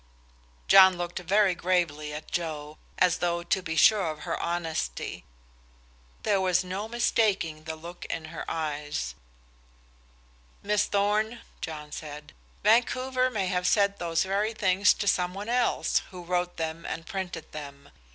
John looked very gravely at Joe, as though to be sure of her honesty. There was no mistaking the look in her eyes. "Miss Thorn," John said, "Vancouver may have said those very things to some one else, who wrote them and printed them.